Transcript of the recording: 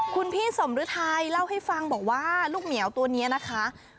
คุณพี่สมฤทัยเล่าให้ฟังบอกว่าลูกเหมียวตัวนี้นะคะ